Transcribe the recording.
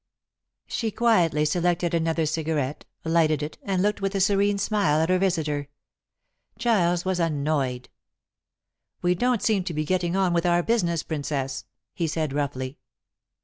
She quietly selected another cigarette, lighted it, and looked with a serene smile at her visitor. Giles was annoyed. "We don't seem to be getting on with our business, Princess," he said roughly.